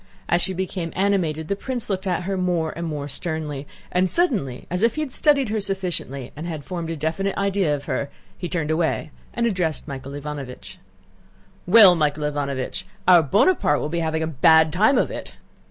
As she became animated the prince looked at her more and more sternly, and suddenly, as if he had studied her sufficiently and had formed a definite idea of her, he turned away and addressed Michael Ivánovich. "Well, Michael Ivánovich, our Bonaparte will be having a bad time of it.